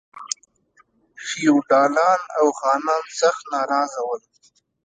فیوډالان او خانان سخت ناراض ول.